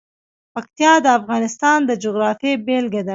پکتیکا د افغانستان د جغرافیې بېلګه ده.